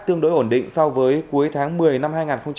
tương đối ổn định so với cuối tháng một mươi năm hai nghìn một mươi chín